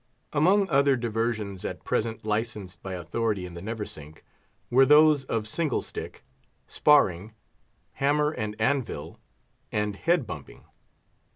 Among other diversions at present licensed by authority in the Neversink, were those of single stick, sparring, hammer and anvil, and head bumping.